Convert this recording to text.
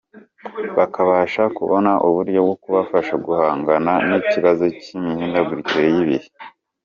Bakabasha kubona uburyo bwo kubafasha guhangana n’ikibazo cy’imihindagurikire y’ibihe.